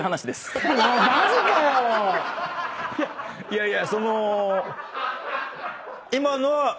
いやいやその。